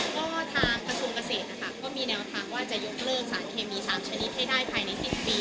ก็ทางกระทรวงเกษตรนะคะก็มีแนวทางว่าจะยกเลิกสารเคมี๓ชนิดให้ได้ภายใน๑๐ปี